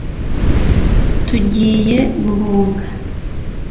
tugiye guhunga